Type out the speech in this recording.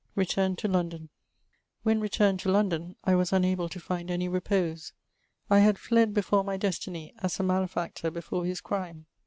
RETURN TO LONDON. When returned to London, I was unable to find any repose ; I had fled before my destiny as a malefactor betbre his crime.